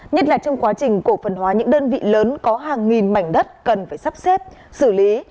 nhất là trong quá trình cổ phần hóa những đơn vị lớn có hàng nghìn mảnh đất cần phải sắp xếp xử lý